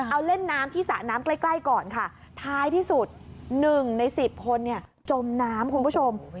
เอาเล่นน้ำที่สระน้ำใกล้ก่อนค่ะท้ายที่สุด๑ใน๑๐คนจมน้ำคุณผู้ชม